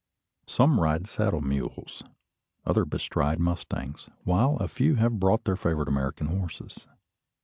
Some ride saddle mules, others bestride mustangs, while a few have brought their favourite American horses.